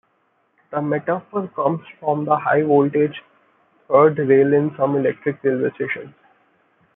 The metaphor comes from the high-voltage third rail in some electric railway systems.